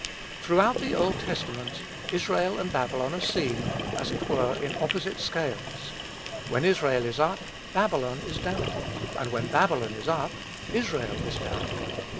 Throughout the Old Testament Israel and Babylon are seen, as it were, in opposite scales; when Israel is up, Babylon is down; and when Babylon is up, Israel is down.